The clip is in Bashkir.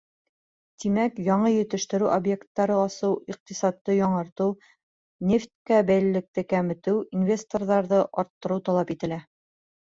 Тимәк, яңы етештереү объекттары асыу, иҡтисадты яңыртыу, нефткә бәйлелекте кәметеү, инвесторҙарҙы арттырыу талап ителә.